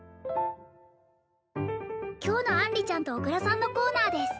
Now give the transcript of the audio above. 今日の杏里ちゃんと小倉さんのコーナーです